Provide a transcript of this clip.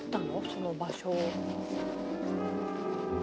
その場所を。